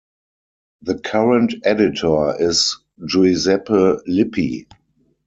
The current editor is Giuseppe Lippi.